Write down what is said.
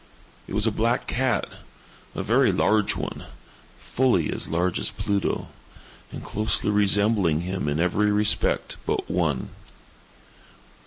It was a black cat—a very large one—fully as large as Pluto, and closely resembling him in every respect but one.